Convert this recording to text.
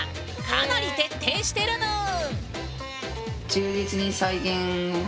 かなり徹底してるぬん！